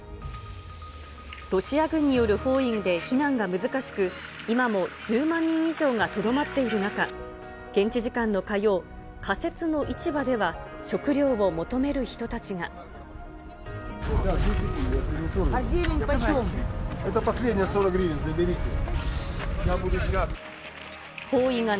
ロシア軍による包囲で避難が難しく、今も１０万人以上がとどまっている中、現地時間の火曜、仮設の市場では、食料を求める人たちが。